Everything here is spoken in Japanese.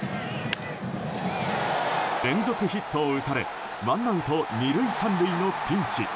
連続ヒットを打たれワンアウト２塁３塁のピンチ。